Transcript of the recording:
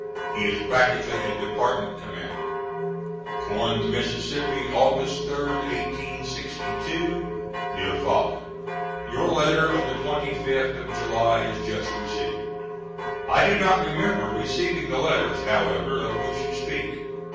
He is practically a department commander.] Corinth, Mississippi, August 3d, 1862. DEAR FATHER: Your letter of the 25th of July is just received. I do not remember receiving the letters, however, of which you speak.